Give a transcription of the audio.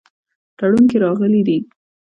تړون کې راغلي دي.